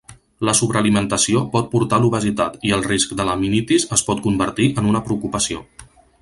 La sobrealimentació pot portar a l'obesitat, i el risc de laminitis es pot convertir en una preocupació.